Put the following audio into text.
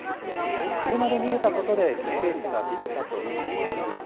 車で逃げたことで犠牲者が増えたとされています。